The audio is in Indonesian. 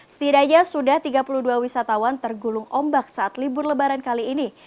setidaknya sudah tiga puluh dua wisatawan tergulung ombak saat libur lebaran kali ini